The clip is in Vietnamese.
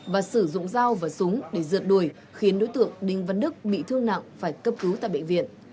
và sử dụng dao và súng để rượt đuổi khiến đối tượng đinh văn đức bị thương nặng phải cấp cứu tại bệnh viện